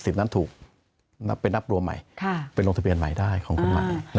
สิทธิ์นั้นถูกเป็นนับรวมใหม่เป็นโรงทะเบียนใหม่ได้ของคุณหมัน